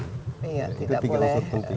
itu tiga unsur penting